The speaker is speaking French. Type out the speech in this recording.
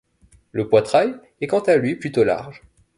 Le poitrail est quant à lui plutôt large.